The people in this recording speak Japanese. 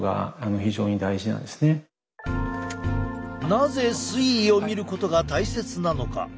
なぜ推移を見ることが大切なのか。